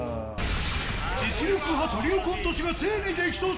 実力派トリオコント師がついに激突。